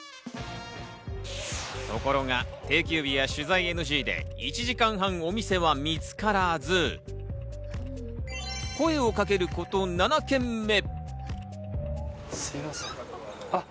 ところが定休日や取材ＮＧで１時間半、お店は見つからず、声をかけること７軒目。